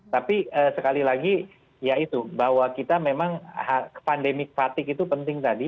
tapi sekali lagi ya itu bahwa kita memang pandemi fatigue itu penting tadi